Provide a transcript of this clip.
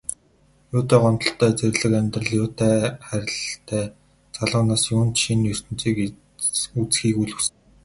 Юутай гомдолтой зэрлэг амьдрал, юутай хайрлалтай залуу нас, юунд шинэ ертөнцийг үзэхийг үл хүснэ.